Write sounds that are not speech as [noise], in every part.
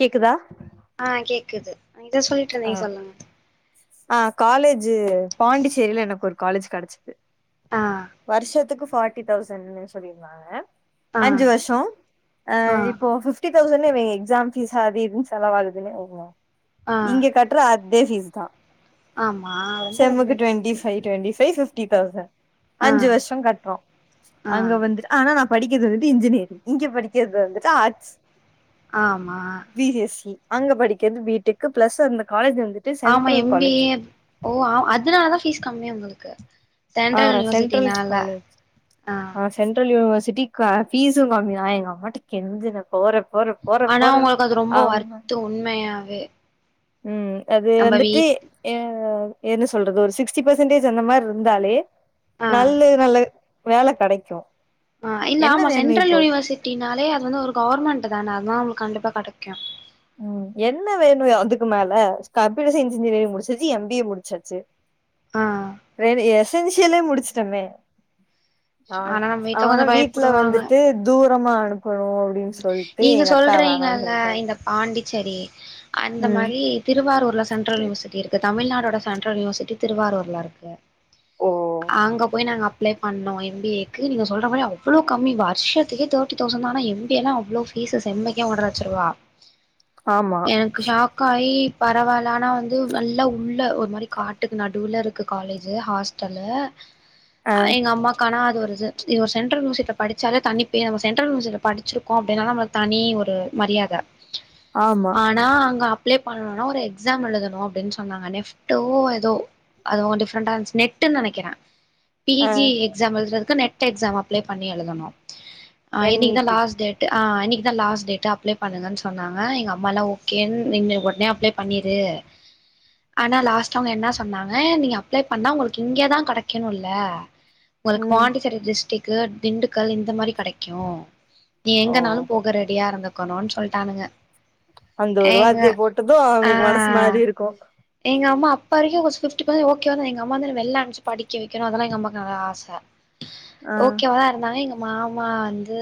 கேக்குதா ஆ கேக்குது ஏதோ சொல்லிட்டு ஆ இருந்தீங்க சொல்லுங்க ஆ காலேஜ் பாண்டிச்சேரியில எனக் ஒரு காலேஜ் கடச்சுது ஆ வருஷத்துக்கு ஃபாட்டி தௌசண்ட்னு சொல்லிருந்தாங்க ஆ அஞ்சு வருஷோ ஆ இப்போ ஃபிப்டி தௌசண்டேங்க எக்ஸாம்ஃபீஸ் அது இதுனு செலவாகுதுங்க ஆ இங்க கட்ற அதே ஃபீஸ் தா ஆமா ரொம்ப செமுக்கு கம்மியாதா இருக்கு டுவெண்ட்டிஃபைவ் டுவெண்டிஃபைவ் ஃப்ட்டி டொயுசன்ட் ஆ அஞ்சு வருஷோ கட்றோ ஆ அங்க வந்து ஆனா படிக்கறது வந்து இன்ஜினியரிங் இங்க படிக்கறது வந்து ஆர்ட்ஸ் ஆமா பி எஸ் சி அங்க படிக்கறது பி டெங்கு பிளஸ் அந்த காலேஜ் வந்து ஆமா எம் பி ஏ ஓ ஆ அதனால தா ஃபீஸ் கம்மி உங்களுக்கு ஆ சென்ட்ரல் சென்டரல் யூனிவர்சிட்டினால காலேஜ் ஆ சென்ட்ரல் யூனிவர்சிட்டி ஃபீஸூ கம்மி தா எங்கள் அம்மாட்ட கெஞ்சன போற போற ஆனா உங்களுக்கு அது ரொம்ப ஒர்த்து உண்மையாவே ம் அது நம்ம வந்துட்டு வீட் ம் என்ன சொல்றது ஒரு சிக்ஸ்டி பெர்சன்டேஜ் அந்த மாதிரி இருந்தாலே ஆ நல்ல நல்ல வேல கிடைக்கு ஆ இல்ல ஆமா சென்ட்ரல் யூனிவர்சிட்டினாலே அது வந்து ஒரு கவர்மெண்ட் தான அதுதா உங்களுக்கு கண்டிப்பா கிடைக்கு ம் என்ன வேணு அதுக்கு மேல கம்ப்யூட்டர் சயின்ஸ் டிகிரி முடிச்சு இன்ஜினியரிங் முடிச்சாச்சு எம் பி ஏ முடிச்சாச்சு ஆ ரெ எசன்சியலே முடிச்சுட்டோமே ஆ ஆனா நம்ம வீட்ல ஆனா கொஞ்சோ வீட்டுல பயப்படுவாங்க வந்துட்டு தூரமா அனுப்பணு அப்டின்னு ம் சொல்லிட்டு நீங்க சொல்றீங்கல இந்த பாண்டிச்சேரி அந்த ம் மாதிரி திருவாரூர்ல சென்ட்ரல் யூனிவர்சிட்டி இருக்கு தமிழ்நாடோட சென்ட்ரல் யூனிவர்சிட்டி திருவாரூர்ல இருக்கு ஓ அங்க போய் நாங்க அப்ளே பண்ணோ எம் பி ஏ க்கு நீங்க சொல்ற மாரி அவ்ளோ கம்மி வருஷத்துகே thirty thousand M B A லா ஃபீஸ் செம்முக்கே ஒன்றலச்சிருவா ஆமா எனக்கு ஷாக்க ஆயி பரவாயில்ல ஆனா வந்து நல்லா உள்ள ஒரு மாரி காட்டுக்கு நடுவுல இருக் காலேஜி ஹாஸ்டலு ஆ எங்க அம்மா ஆனா அது ஒரு இது இது சென்டரல் யூனிவர்சிட்டில படிச்சாலே தனிப்பே நம் சென்டல் படிச்சிருக்கோ அப்டினு நம்ம தனி ஒரு மரியாத ஆமா ஆனா அங்க அப்ளை பண்ணணுனா ஒரு எக்ஸாம் எழுதணு அப்டினு சொன்னாங்க நெப்ட்டோ ஏதோ அது கொஞ்ச டிஃரெண்டா நெட்டுனு நெனைக்கற பி ஆ ஜி எக்ஸாம் எழுதுறதுக்கு நெட் எக்ஸாம் அப்ளை பண்ணி எழுதணு என் இ இன்னைக்குதா டி லாஸ்ட் டேட் ஆ அன்னைக்கு தான் லாஸ் டேட் அப்ளை பண்ணுங்கு சொன்னாங்க எங்க அம்மால ஓகே நீங்க உடனே அப்ளை பண்ணிரூ ஆனா லாஸ்ட்டா அவங்க என்னா சொன்னாங்க நீங்க அப்ளை பண்ணா உங்களுக்கு இங்கெதா கெடைக்கணுல்ல உங்களுக்கு ம் பாண்டிச்சேரி டிஸ்டிக்கு திண்டுக்கல் இந்த மாரி கெடைக்கு நீ ஓ எங்கனாலு போக ரெடியா இருந்துக்கணூன் சொல்ட்டானுங்க அந்த ஒரு எங்க வார்த்தைய போட்டது ஆ அவங்களுக்கு மனசு மாறிருக்கு எங்க அம்மா அப்பவரைக்கு ஒரு ஃபிஃப்டி ஃபர்சட் ஓகேவாதா எங்க அம்மா வந்து என்ன வெளில்ல அம்சி படிக்க வைக்கனு அதலா எங்க அம்மாக்கு அ ஆச ஆ க ஓகேவா இருந்தாலு எங்க மாமா வந்து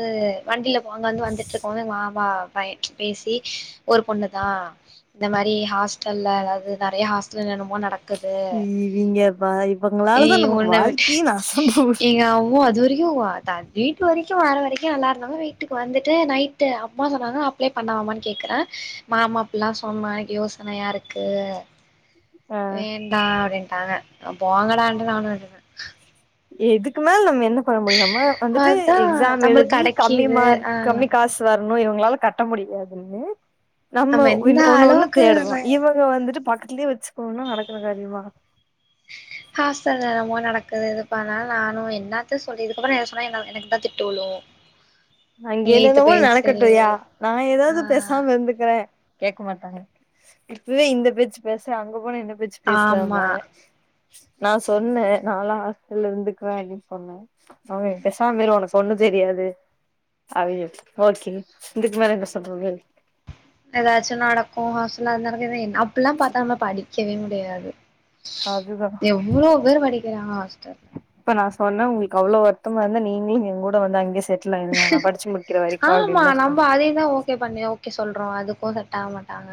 வண்டில அவங்க வந்து வந்துட்ருக்கும்போது மாமா பை பேசி ஒரு பொண்ணு தா இந்த மாரி ஹாஸ்டல்ல அதாவது நெறைய ஹாஸ்டல் என்னென்னமோ நடக் இவிங்க பா இவங்களாலதா நமக்கு வாழ்க்கையே நாசமா போ எங்கம்மா அது வரைக்கு அ தா வீட்டு வரைக்கு வார வரைக்கு நல்லாருந்தாங்க வீட்டுக்கு வந்துட்டு நைட் டு அப்பா சொன்னாங்க அப்ளை பண்ணாவாமான் கேக்குறே மாமா இப்பில்லா சொன்னா எக்கு யோசனையாருக்கு ஆ வேண்டா அப்டின்டாங்க அ போங்கடான்டு நானு விட்டுட்டே இதுக்கு மேல நம்ம என்ன பண்ண முடியு நம்ம வந்துட்டு அதா எக்ஸாம் நம்மளுக்கு எழுதி கம்மி கெடைக்கிது மார்க் ஆ கம்மி காசு வரணு இவங்களால கட்ட முடியாதுன்னு நம்ம எந்த வின் ஒன்னு ஒன்னு அளவுக்கு தேடுறோ இவ ங்க வந்துட்டு பக்கத்துலயே வச்சுக்கனுனா நடக்குற காரியமா ஹாஸ்டல்ல என்னென்னமோ நடக்குது இதுப்பானால நானு என்னாத்த சொல்லி இதுக்கப்பறோ என்ன சொன்னா என்னால் எனக்குதா திட்டுவிழு அங்க என்னன்னவோ நடக்கட்டுயா நா ஆ எதாவது பேசாம இருந்துக்குறே கேக்க மாட்டாங்க இப்பவே இந்த பேச்சு பேசுற அங்க போன என்ன பேச்சு ஆமா பேசுவம்பாங்க நா சொன்னே நால்லா ஹாஸ்டல்ல இருந்துக்குவே அப்டின் சொன்னே அவங்க பேசாம இரு ஒனக் ஒன்னு தெரியாது அவிக ஓகே இதுக்கு மேல என்ன சொல்றது ஏதாச்சு நடக்கு ஹாஸ்டல்ல அது நடக்குதுன் அப்புல்லா பாத்தாகனா படிக்கவே முடியாது அதுதா எவ்வளோ பேரு படிக்கிறாங்க ஹாஸ்டல் அப்ப நா சொன்ன உங்களுக்கு அவ்ளோ வருத்தமா இருந்தா நீங்ளு எங்கூட வந்து அங்கயே செட் டுல் ஆயிருங்க நா படிச்சி முடிக்கிற வரைக்கு ஆமா அப்டின்தா நம்ம சொன் அதேதா ஓ ஓகே பண்ணி ஓகே சொல்றோ அதுக்கு செட் ஆக மாட்டாங்க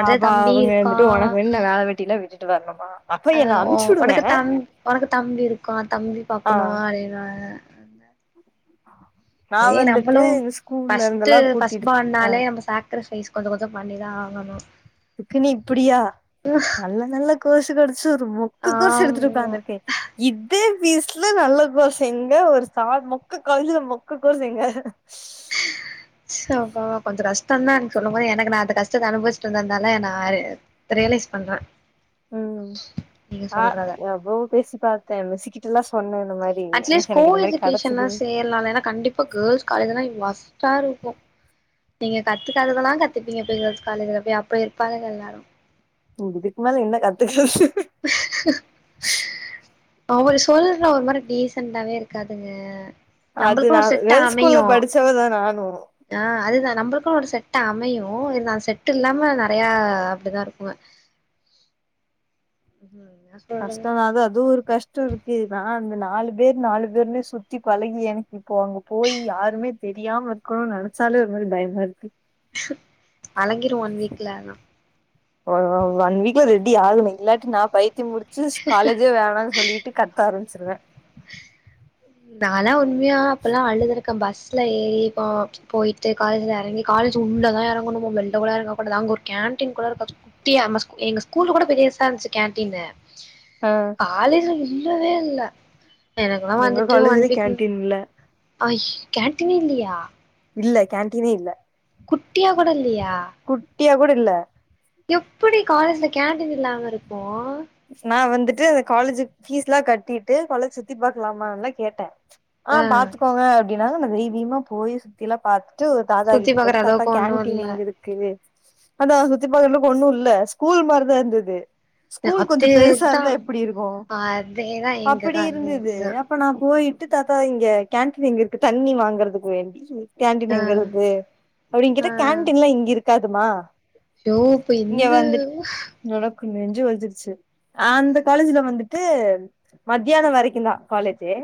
அது அப்ப தம்பி அவங்க இருக்கா வந்துட்டு உனக்கு வேணு நா வேல வெட்டிலா விட்டுட்டு வரணுமா அப்ப ஆ என்ன ஓ அனுப்ச்சு விடுங்க ஒனக்கு தம் ஒனக்கு தம்பி இருக்கா தம்பி ஆ பாக்கணு அப்டினுவாங்க நா சரி வந்துட்டு நம்மளு இந்த ஸ்கூல்ல ஃபர்ஸ்ட்டு இருந்தெல்லா பஸ்ட் கூட்டிட்டு ஆ பார்ன்னாலே நம்ம சாக் ரிஃபைஸ் கொஞ்சொ கொஞ்சொ பண்ணிதா ஆகணு அதுக்குனு இப்பிடியா நல்ல நல்ல கோசு கெடச்சி ஒரு மொ க்க கோர்செடுத்துட்டு ஆமா உக்காந்துருக்கே இதே பீஸ்ல நல்ல கோர்ஸ் எங்க ஒரு சார் மொக்க காலேஜில மொக்க கோர்ஸ் எங்க சொப்பா கொஞ்சோ கஷ்டோந்தா நீங்க சொன்ன மாறி எனக்கு நா அந்த கஷ்டத்த அனுபவிச்சிட்ருந்ததுனால நானு ரியலைஸ் பண்றே ம் நீங்க ஆ சொல்றத எவ்ளவோ பேசி பாத்தே மிஸ்ஸுகிட்டலா சொன்ன இந்த மாரி அட்லீஸ்ட் மிஸ் எனக்கு இந்த மாரி கூலுக்கு டியூசன்னா கெடச்சது சேரலால ஏனா கண்டிப்பா கேர்ல்ஸ் காலேஜெலா ஒஸ்ட்டா இருக்கு நீங்க கத்துக்காததெலா கத்துப்பீங்க போய் கேர்ள்ஸ் காலேஜிலப்போய் அப்டி இருப்பாளுக எல்லாரு ஓ இதுக் மேல என்ன கத்துக்குறது அவர் சொல்ற ஒரு மாரி டீசன்டாவே இருக்காதுங்க அது நம்பளுக்குன்னு நா ஒரு செட்டு கேர்ள்ஸ் ஸ்கூல்ல அமையு படிச்சவதா நானு ஆ அதுதா நம்ளுக்கு ஒரு செட் அமையு இருதாலு செட் இல்லாம நறையா அப்டிதா இருக்குங்க [unintelligible] கஷ்டதா அது அதுவு ஒரு கஷ் டோ இருக்கு நா அந்த நாலு பேர் நாலு பேருனே சுத்தி பழகி எனக் இப்போ அங்க போய் யாருமே தெரியாம இருக்கணுனு நெனச்சாலே ஒரு மாரி பயமா இருக்கு பழகிரு ஒன் வீக்ல ஆனா அஅ ஒன் வீக்ல ரெடி ஆகணு இல்லாட்டி நா பைத்திய புடிச்சிஸ் காலேஜ் து வேணான் சொல்லிட்டு கத்த ஆரம்பிச்சிருவே நாலா உண்மையா அப்பெல்லா அழுது இருக்க பஸ்ல ஏறி போ போய்ட்டு காலேஜ்ல எறங்கி காலேஜ் உள்ளதா எறங்கணுமோ வெள்ள கூட எறங்க கூடாதா அங்க ஒரு கேன்டீன் கூட இருக்கு அது குட்டியா நம்ம எங்க ஸ்கூல்ல கூட பெரிசா இருந்துச்சி கேன்டீனு அ ஆளு இல்லவே இல்ல எனக்கெல்லா எங்க காலேஜ்லயு கேன்டீன் இல்ல அஷ் கேன்ட்டீன் இல்லயா இல்ல கேன்ட்டீனே இல்ல குட்டியா கூட இல்லியா குட்டியா கூட இல்ல எப்டி காலேஜ்ல கேன்டீன் இல்லாம இருக்கு நா வந்துட்டு காலேஜி ஃபீஸ்ல்லா கட்டிட்டு காலேஜ் சுத்தி பாக்லாமான்ல்லா கேட்டே ஆ பாத்துக்கோங்க அப்டின்னாங்க நம் தெய்வீமா போய் சுத்தில்லா பாத் ட்டு ஒரு தாத்தா சுத்தி கிட்ட பாக்குற போய் தாத்தா அளவுக்கு ஒன்னு கேண்டடீன் இல்ல எங்க இருக் கிது அதா சுத்தி பாக்குற அளவுக்கு ஒன்னு இல்ல ஸ்கூல் மாரிதா இருந்தது கூல் கொஞ்சோ பெருசா அதேதா இருந்தா எப்டி இருக்கோ அதேதா எங்க அப்படி இருந்துது காலேஜு அப்ப நா போயிட்டு தாத்தா இங்க கேன்டீன் எங்க இருக்கு தண்ணி வாங்கறதுக்கு வேண்டி ஆ கேன்டீன் எங்க இருக்கு அப்டின் ஆ கேட்டா கேன்டீன்லா இங்க இருக்காதுமா யோ இப்ப இங்க எந்த வந்து எனக்கு நெஞ்சு வலிச்சிருச்சி ச அந்த காலேஜ்ல வந்துட்டு மத்தியானோ வரைக்குந்தா காலேஜே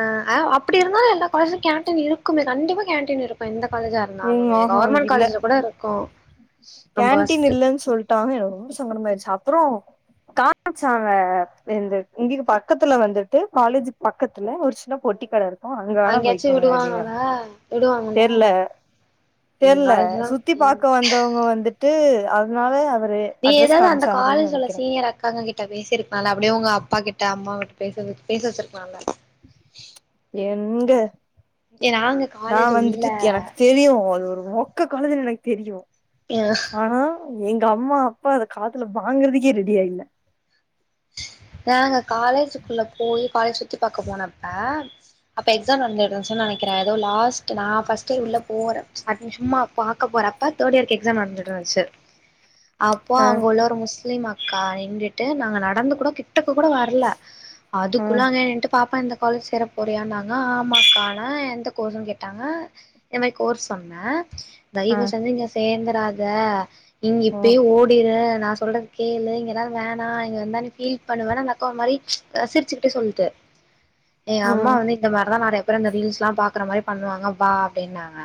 ஆ அ அப்டி இருந்தாலு எல்லா காலேஜ்ல கேன்டீன் இருக்குமே கண்டிப்பா கேன்டீன் இருக் இப்ப எந்த காலேஜா ம் இருந்தாலுமே ஆஹா கவர்மெண்ட் இல்ல காலேஜ்ல கூட இருக்கு நம்ம கேன்டீன் ஃபஸ்ட்டு இல்லன் சொல்ட்டாங்க எனக் ரொம்ப சங்கடமாயிருச்சி அப்றோ காம்ச்சாங்க இந்த இங்க பக்கத்துல வந்துட்டு காலேஜி பக் பக்கத்துல ஒரு சின்ன பொட்டிக் கட இருக் ஆ அங்க வேணா அங்கயாச்சு போய்க்கோங்க விடுவாங்கல்ல அப்டிங்றாங்க விடுவாங்கல்ல தெர்ல எங்க தெர்ல காலேஜ்லா சுத்தி எங் பாக்க வந்தவங்க வந்துட்டு அதனால அவரு நீங்க அட்ரஸ் எதாவ்து அந்த காமிச்சாருன்னு காலேஜ்ல உள்ள நெனைக்கிறே சீனியர் அக்காங்க கிட் ட பேசி இருக்கலான்ல அப்டியே உங்க அப்பா கிட்ட அம்மாவ வுட் பேச வெச் பேச வெச்சிருக்லா இல்ல எங்க ஏ நாங்க நா காலேஜ் உள்ள வந்துட்டு எனக்கு தெரியு அது ஒரு மொக்க காலேஜ்னு எனக் தெரியு யா ஆனா எங்க அம்மா அப்பா அத காதுல வாங்குறதுக்கே ரெடியா இல்ல நாங்க காலேஜிக்குள்ள போயி காலேஜ் சுத்தி பாக்க போனப்ப அப்ப எக்ஸாம் நடந்துட்ருன்சுன் நெனைக்குற ஏதோ லாஸ்ட் நா ஃபஸ்டே உள்ள போற அப்ப சும்மா பாக்க போறப்ப தேர்ட்யியர்கு எக்ஸாம் நடந்துட்ருந்துச்சி அப்போ ஆ அங்க உள்ள ஒரு முஸ்லிம் அக்கா எங்கிட்ட நாங்க நடந்து கூட கிட்டக்க கூட வர்ல ஆ அதுக்குல்லானே என்ட்டு பாப்பா இந்த கால்ஜ்சேர போறியான்னாங்க ஆமாக்கான எந்த கோர்ஸ்ன் கேட்டாங்க என்ன கோர்ஸ் சொன்ன ஆ தயவு செஞ்சி இங்க சேந்துராத இங் ஓ இப்பயே ஓடிரு நா சொல்றக் கேளு இங்கலா வேணா இங்க வந்தா நீ பீல் பண்ணுவ அந்தக்கா ஒரு மாரி சிரிச்சுக்கிட்டே சொல்து எங் அம்மா ம் வந்து இந்த மாரிதா நறைய பேரு இந்த ரீல்ஸ்ல்லா பாக்கறமாரி பண்ணுவாங்க வா அப்டின்னாங்க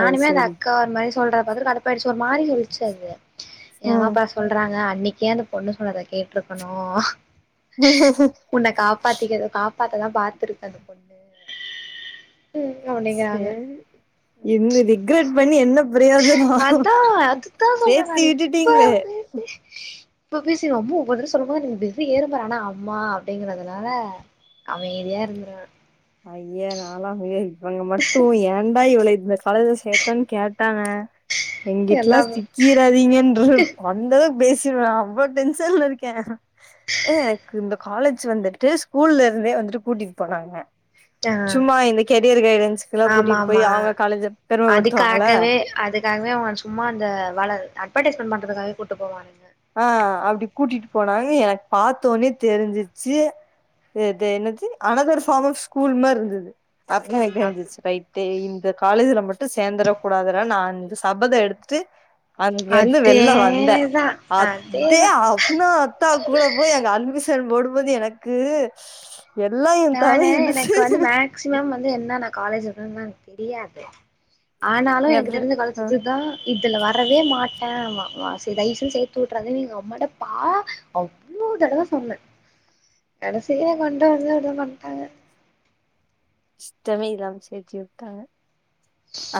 அது அந்த சரி அக்கா ஒரு மாரி சொல்றத பாத்துட்டு கடுப்பாய்டுச்சு ஒரு மாரி சொல்லிச்சி அது என்னப் ம் பா சொல்றாங்க அன்னிக்கே அந்த பொண்ணு சொல்றத கேட்ருக்கணு உன்ன காப்பாத்திக்கதா காப்பாத்ததா பாத்துருக்கு அந்த பொண்ணு ம் அப்டிங்கிறாங்க சேரி என்ன ரெக்கார்ட் பண்ணி என்ன அப்பிடியாது அதா அதுதா சொல்ற சேத்தி நானு இப்ப விட்டுட்டீங்ளே [unintelligible] இப்ப பேசீர்வோ அபோ பதில் சொல்லும்போது நீங் வெறி யேறு பாரு ஆனா அம்மா அப்டிங்கறதுனால அமைதியா இருந்திருவே ஐய நா லா ஏத் இவுங்க மட்டு ஏண்டா இவள இந்த காலேஜ்ல சேத் தன் கேட்டாங்க எங்கிட்டலா எல்லாமே கீராதீங்க என்று அந்தளவுக் பேசிர்வே அவ்ளோ டென்ஷன்ல இருக்கே எனக்கு இந்த காலேஜ் வந்துட்டு ஸ்கூல்ல இருந்தே வந்துட்டு கூட்டிட் போனாங்க ஆ சும்மா இந்த கெரியர் கைடன்ஸ்க்குலா ஆமா கூட்டிட் போய் ஆமா அவுங்க காலேஜ பெருமப்படுத்துவாங்கள அதுக்காகவே அதுக்காகவே அவுங்க சும்மா அந்த வள அட்வடைஸ்மெண்ட் பண்ணுறதுக்காகவே கூட் போவாங்க ஆ அப்டி கூட்டிட் போனாங்க எனக்கு பாத்தோனே தெரிஞ்சிச்சு சே சேர் என்னத்து அனதர் ஆப் ஸ்கூல் மாரி இருந்துது அப்பவே எனக் ம் தெஞ்சுச்சு வைப் டே இந்த காலேஜ்ல மட்டு சேந்தர கூடாதுனு நான் இந்த சபத எடுத்துட்டு அங்கேருந்து வெள்ல வந்தே அதேதா அதே அதேதா அ அப்புனா அத்தா கூட போய் எங்க அட்மிஷன் போடும்போது எனக்கு எல்லா எ நானு தலையெழுத்து எனக்கு வந்து மேக்சிமம் வந்து என்ன நா காலேஜ் இருன்ன எனக் தெரியாது ஆனாலு எனக்கு அப்புறம் தெரிஞ்ச ஆ காலேஜிஜ்ந்தா தா இதுல வரவே மாட்டே ஆம தயவு செஞ்சு சேய்த்து வுட்டுறது எங் அம்மாட பா நூற் தடவ சொன்னே கடைசிய கொண்டு வந்து அப்டி பண்ட்டாங்க இஷ்டமே இல்லாம சேத்து விட்டாங்க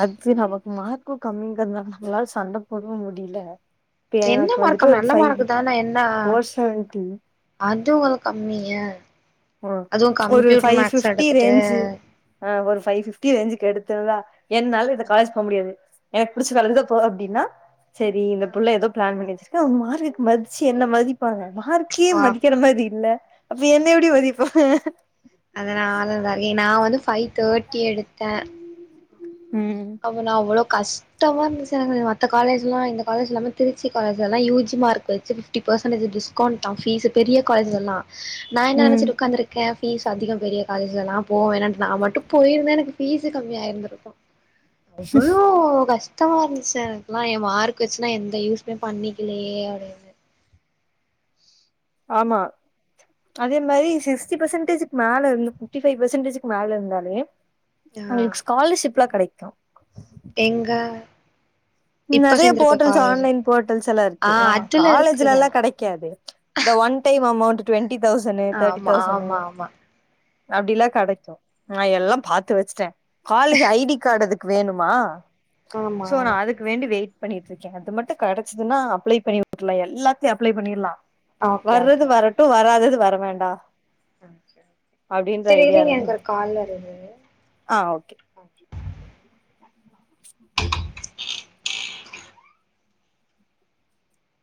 அட்து நமக்கு மார்க்கு கம்மிங்கிறதுனால நம்மளாலு சண்ட போடவு முடியில இப்ப என்ன எனக்கு மார்க் வந்துட்டு ஒரு நல்ல ஃபைவ் மார்க்கு தான என்ன ஃபோர் செவன்டி அது உங்களுக் கம்மியா அதுவு ஒரு computer five max fifty range எடுத்துட்டு ஆ ஒரு ஃபைவ் பிப்டி ரேஞ்சுக்கு எடுத்திருந்தா என்னால இந்த காலேஜ் போமுடியாது எனக்கு பிடிச்ச காலேஜ்க்குதா போவ அப்டின்னா சேரி இந்த புள்ள ஏதோ பிளான் பண்ணி வெச்சுருக்கே அவுங்க மார்க்கு மதிச்சு என்ன மதிப்பாங்க மார்க்கே மதிக்கிற மாரி இல்ல அப்ப என்ன எப்டி மதிப்பாங்க அதனால நறிய் நா வந்து ஃபைவ் தேர்ட்டி எடுத்தே ம் அப்போ நா அவ்ளோ கஷ்டமா இருந்துச்சி எனக்கு மத்த காலேஜ்ல்லா இந்த காலேஜ் இல்லாம திருச்சி காலேஜ்லா யூஜி மார்க் வச்சு ஃபிப்டி பர்சன்டேஜ் டிஸ்கவுண்டா பீஸ் பெரிய காலேஜ்லலா நா என்ன ம் நெனச்சிட்டு உக்காந்துருக் ஏ ஃபீஸ் அதிகோ பெரிய காலேஜ்லலா போவேணான்ட்டு நா மட்டு போயிருந்த எனக்கு பீஸ் கம்மியாயிருந்திருக்கு எவ்ளோ கஸ் ட்டமா இருந்துச்சு எனக்கெல்லா எ மார்க் வச்சுன்னா எந்த யூஸ்மே பண்ணிக்கலையே அப்டின் ஆமா அதே மாரி சிஸ்டி பர்சன்டேஜ்க் மேல இருந்து ஃபிப்டி ஃபைவ் பர்சன்டேஜுக்கு மேல இருந்தாலே ஆ உங்களுக் ஸ்காலர்ஷிப்லா கெடைக்கு எங்க இப்ப நெறய சேந்திருக்க போட்டல்ஸ் காலேஜு ஆன்லைன் போட்டல்ஸ்ல்லா இருக்கு ஆ அதுல இருக்குதா காலேஜ்லல்லா கெடைக் க்காது இந்த one time amount twenty thousand தேடி ஆமா தௌசனு ஆமா ஆமா அப்டிலா கெடைக்கு நா எல்லா பாத்து வச்சிட்ட காலேஜ் ஐடி காடு அதுக் வேணுமா சோ ஆமா நா அதுக் வேண்டி வெயிட் பண்ணிட்ருக்கே அது மட்டு கெடச்சதுனா அப்ளே பண்ணி விட்றலா எல்லாத்தையு அப்ளே பண்ணிடலா ஓகே வர்றது ஓகே வரட்டு வராதது வர வேண்டா அப்டின்ற சேரி ஐடியால இருங்க எனக்கு இருந்தே ஒரு கால் வருது ஆ ஓகே [unintelligible]